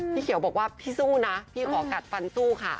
เขียวบอกว่าพี่สู้นะพี่ขอกัดฟันสู้ค่ะ